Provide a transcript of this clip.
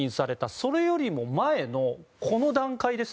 それよりも前の段階です。